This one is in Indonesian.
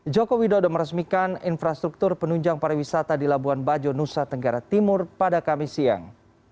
joko widodo meresmikan infrastruktur penunjang pariwisata di labuan bajo nusa tenggara timur pada kamis siang